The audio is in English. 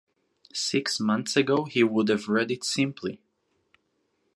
Six months ago he would have read it simply.